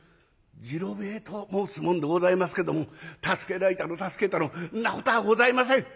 次郎兵衛と申す者でございますけども助けられたの助けたのそんなことはございません！